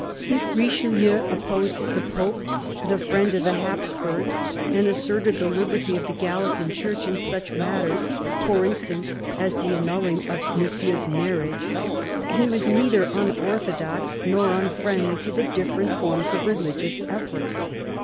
If Richelieu opposed the Pope, the friend of the Haps burgs, and asserted the liberty of the Galilean Church in such matters, for instance, as the annulling of Monsieur's marriage, he was neither unorthodox, nor unfriendly to different forms of religious effort.